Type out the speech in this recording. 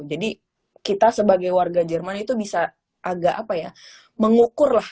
jadi kita sebagai warga jerman itu bisa agak apa ya mengukur lah